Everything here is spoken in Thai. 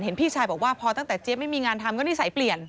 พี่ชายบอกว่าพอตั้งแต่เจี๊ยบไม่มีงานทำก็นิสัยเปลี่ยน